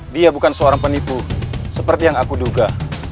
dia bukan seorang penipu seperti yang aku duga